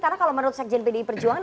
karena kalau menurut sekjen bdi perjuangan